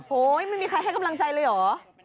โอ้โหยังไม่มีใครให้กำลังใจเลยหรอ